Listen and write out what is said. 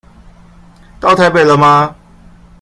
到台北了嗎？